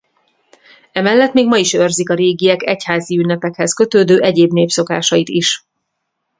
Emellett még ma is őrzik a régiek egyházi ünnepekhez kötődő egyéb népszokásait is.